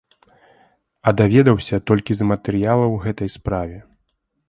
А даведаўся толькі з матэрыялаў гэтай справе.